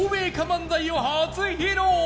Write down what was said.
漫才を初披露